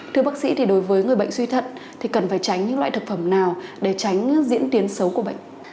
thưa bác sĩ thì đối với người bệnh suy thận thì cần phải tránh những loại thực phẩm nào để tránh diễn tiến xấu của bệnh